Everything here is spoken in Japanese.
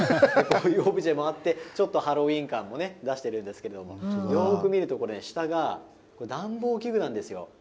オブジェもあってちょっとハロウィーン感も出しているんですけどよく見ると、これ下が暖房器具なんですよ。